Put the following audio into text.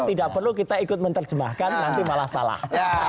tidak perlu kita ikut menerjemahkan nanti malah salah